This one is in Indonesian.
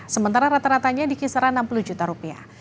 sementara rata ratanya di kisaran enam puluh juta rupiah